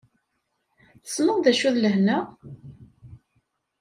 Tessneḍ d acu d lehna?